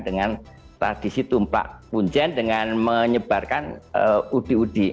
dengan tradisi tumplak punjen dengan menyebarkan udi udi